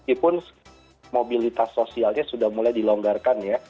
ipun mobilitas sosialnya sudah mulai dilonggarkan ya